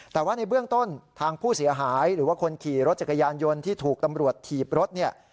แต่ว่าในเบื้องต้นทางผู้เสียหายหรือว่าคนขี่รถจักรยานยนต์ที่ถูกตำรวจถีบรถเนี่ย